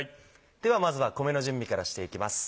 ではまずは米の準備からしていきます。